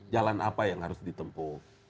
jalan apa yang harus ditempuh